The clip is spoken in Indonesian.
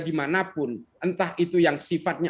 dimanapun entah itu yang sifatnya